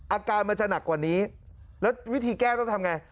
อาการมันจะหนักกว่านี้แล้ววิธีแก้ต้องทำไง